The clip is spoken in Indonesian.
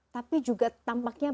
tapi juga tampaknya